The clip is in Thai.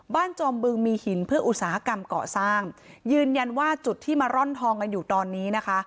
จอมบึงมีหินเพื่ออุตสาหกรรมก่อสร้างยืนยันว่าจุดที่มาร่อนทองกันอยู่ตอนนี้นะคะ